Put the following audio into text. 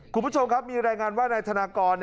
คุณผู้ชมครับมีรายงานว่านายธนากร